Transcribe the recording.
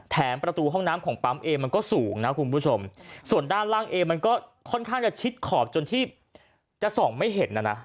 ประตูห้องน้ำของปั๊มเอมันก็สูงนะคุณผู้ชมส่วนด้านล่างเอมันก็ค่อนข้างจะชิดขอบจนที่จะส่องไม่เห็นนะนะ